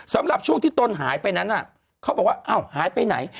สำหรับช่วงที่ตนหายไปนั้นเขาบอกว่าอ้าวหายไปไหน